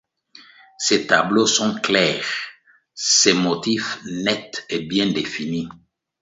Ses tableaux sont clairs, ses motifs nets et bien définis.